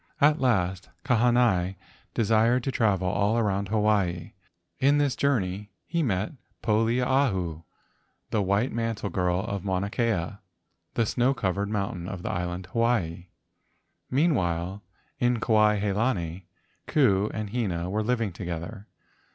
At last, Kahanai desired to travel all around Hawaii. In this journey he met Poliahu, the white mantle girl of Mauna Kea, the snow cov¬ ered mountain of the island Hawaii. Meanwhile, in Kuai he lani, Ku and Hina were living together.